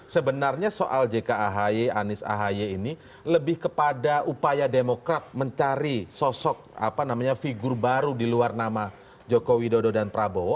sebenarnya soal jkahy anis ahy ini lebih kepada upaya demokrat mencari sosok figur baru di luar nama jokowi dodo dan prabowo